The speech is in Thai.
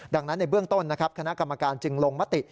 ดังนั้นในเบื้องต้นนะครับคณะกรรมการจึงลงมติ